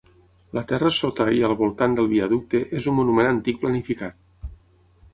La terra sota i al voltant del viaducte és un monument antic planificat.